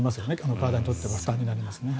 体にとっては大きな負担になりますね。